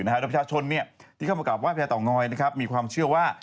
แล้วประชาชนที่เข้ามากลับว่าพระยาต่อง้อยมีความเชื่อว่า